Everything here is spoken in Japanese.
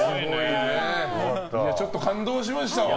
ちょっと感動しました。